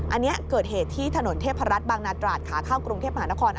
อันนี้เกิดเหตุที่ถนนเทพรัฐบางนาตราดขาเข้ากรุงเทพมหานคร